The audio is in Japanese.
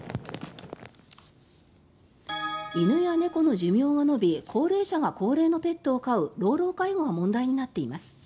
犬や猫の寿命が延び高齢者が高齢のペットを飼う老老介護が問題になっています。